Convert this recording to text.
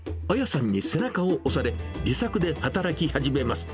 朱さんに背中を押され、利さくで働き始めます。